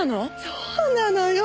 そうなのよ。